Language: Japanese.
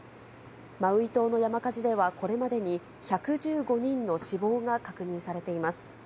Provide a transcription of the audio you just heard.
マウイ島の山火事ではこれまでに１１５人の死亡が確認されています。